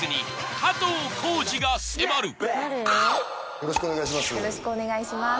よろしくお願いします